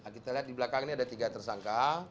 kita lihat di belakang ini ada tiga tersangka